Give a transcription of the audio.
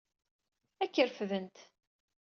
Ad k-refdent.